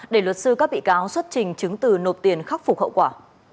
để luật sư các bị cáo xuất trình chứng từ nộp tiền khắc phục hậu quả